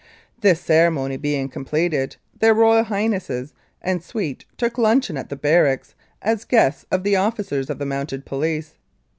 This ceremony being completed, their Royal Highnesses and suite took luncheon at the barracks as guests of the officers of the Mounted Police.